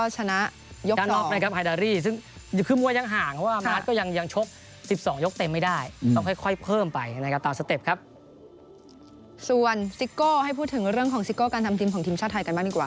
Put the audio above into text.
ส่วนซิโก้ให้พูดถึงเรื่องของซิโก้การทำทีมของทีมชาติไทยกันบ้างดีกว่า